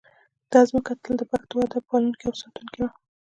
دا ځمکه تل د پښتو ادب پالونکې او ساتونکې وه